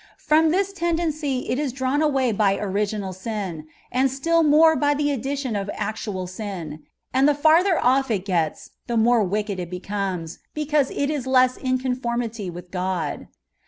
From this tendency it is drawn away by originai sin, and stili more by the addition of actual sin ; and the farther off it gets, the more wicked it becomes, because it is less in conformity with God.